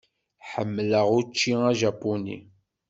Ḥemmleɣ učči ajapuni.